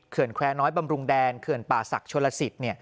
เขื่อนแควร์น้อยบำรุงแดนเขื่อนป่าศักดิ์โชลสิต